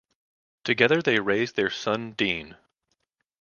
Together they raised their son Dean.